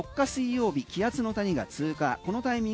そして４日水曜日気圧の谷が通過。